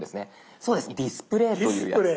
そうです「ディスプレイ」というやつ。